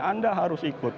anda harus ikut